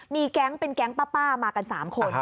มีแก๊งเป็นแก๊งป้ามากัน๓คน